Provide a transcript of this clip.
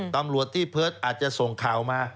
ตำรวจที่เพิร์ตอาจจะส่งข่าวมา